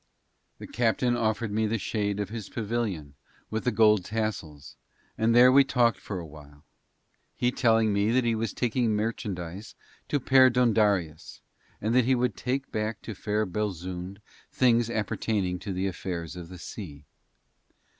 The captain offered me the shade of his pavilion with the gold tassels, and there we talked for a while, he telling me that he was taking merchandise to Perdóndaris, and that he would take back to fair Belzoond things appertaining to the affairs of the sea.